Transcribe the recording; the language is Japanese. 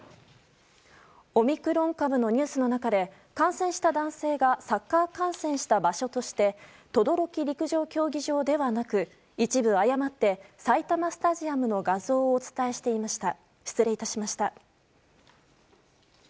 オミクロン株のニュースの中で感染した男性がサッカー観戦した場所として等々力陸上競技場ではなく一部誤って埼玉スタジアムの画像をお伝えしていました。